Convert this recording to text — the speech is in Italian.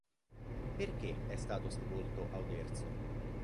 Perché è stato sepolto a Oderzo?